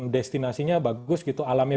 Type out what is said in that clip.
destinasinya bagus gitu alamnya